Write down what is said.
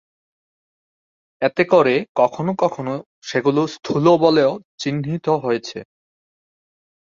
এতে করে কখনো কখনো সেগুলো স্থূল বলেও চিহ্নিত হয়েছে।